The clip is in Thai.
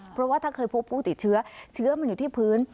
เพราะว่าถ้าเคยพบผู้ติดเชื้อเชื้อมันอยู่ที่พื้น